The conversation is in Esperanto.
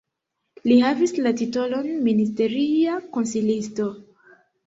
Li havis la titolon ministeria konsilisto.